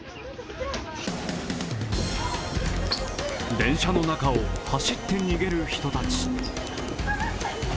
電車の中を走って逃げる人たち。